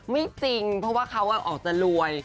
จริงเพราะว่าเขาออกจะรวย